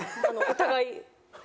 お互い？